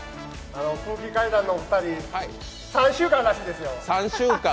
空気階段のお二人、３週間らしいですよ。